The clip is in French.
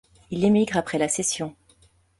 Il émigre après la session.